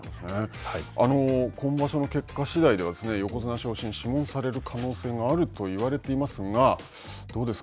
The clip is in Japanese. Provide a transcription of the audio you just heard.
今場所の結果しだいでは横綱昇進、諮問される可能性があると言われていますが、どうですか。